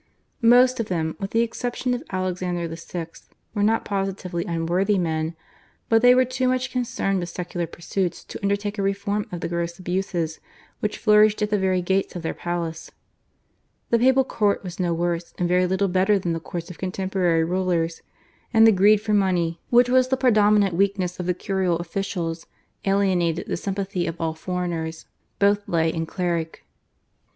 Most of them, with the exception of Alexander VI., were not positively unworthy men, but they were too much concerned with secular pursuits to undertake a reform of the gross abuses which flourished at the very gates of their palace. The papal court was no worse and very little better than the courts of contemporary rulers, and the greed for money, which was the predominant weakness of the curial officials, alienated the sympathy of all foreigners, both lay and cleric.